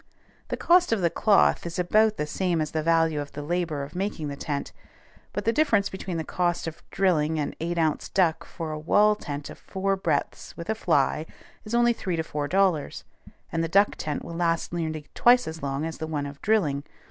The cost of the cloth is about the same as the value of the labor of making the tent; but the difference between the cost of drilling and eight ounce duck for a wall tent of four breadths with a fly is only three to four dollars, and the duck tent will last nearly twice as long as the one of drilling.